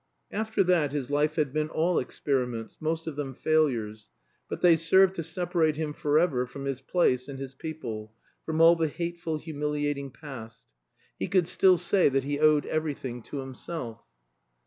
After that his life had been all experiments, most of them failures. But they served to separate him forever from his place and his people, from all the hateful humiliating past. He could still say that he owed everything to himself.